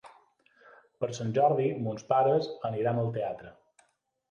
Per Sant Jordi mons pares aniran al teatre.